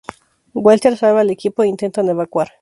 Walter salva al equipo e intentan evacuar.